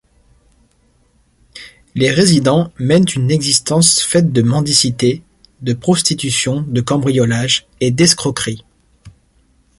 Les résidents mènent une existence faite de mendicité, de prostitution, de cambriolages et d'escroqueries.